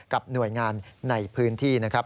กับหน่วยงานในพื้นที่นะครับ